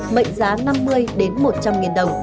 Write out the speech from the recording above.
mệnh giá năm mươi đến một trăm linh nghìn đồng